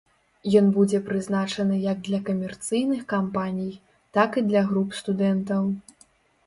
Ён будзе прызначаны як для камерцыйных кампаній, так і для груп студэнтаў.